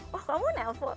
wah kamu nelpon